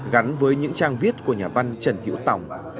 gắn với những trang viết của nhà văn trần hữu tòng